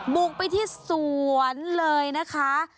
บุกไปที่สวนเลยนะคะ